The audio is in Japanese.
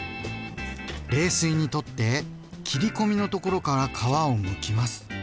冷水にとって切り込みのところから皮をむきます。